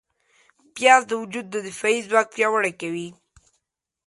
پیاز د وجود دفاعي ځواک پیاوړی کوي